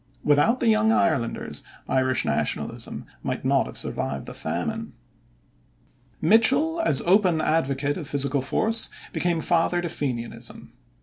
Without the Young Irelanders, Irish Nationalism might not have survived the Famine. Mitchel, as open advocate of physical force, became father to Fenianism.